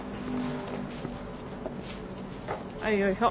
はいよいしょ。